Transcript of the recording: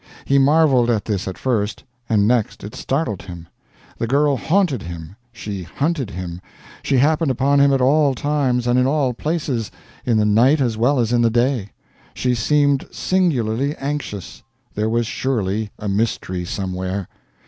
He marveled at this at first, and next it startled him. The girl haunted him; she hunted him; she happened upon him at all times and in all places, in the night as well as in the day. She seemed singularly anxious. There was surely a mystery somewhere.